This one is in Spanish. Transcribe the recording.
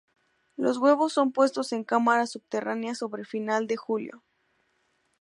Los huevos son puestos en cámaras subterráneas sobre final de julio.